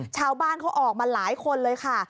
ชาวบ้านเขาออกมาหลายคนเลยค่ะ